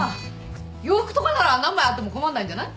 洋服とかなら何枚あっても困んないんじゃない？